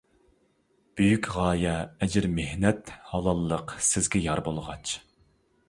بۈيۈك غايە، ئەجىر-مېھنەت، ھالاللىق سىزگە يار بولغاچ.